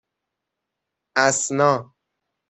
اَسنا